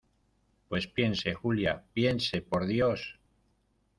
pues piense, Julia , piense , por Dios.